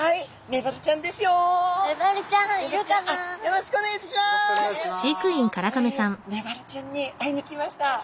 メバルちゃんに会いに来ました。